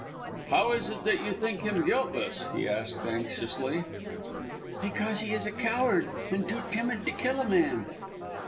"How is it that you think him guiltless?" he asked anxiously. "Because he is a coward, and too timid to kill a man."